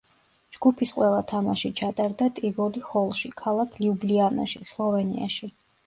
ჯგუფის ყველა თამაში ჩატარდა ტივოლი ჰოლში ქალაქ ლიუბლიანაში, სლოვენიაში.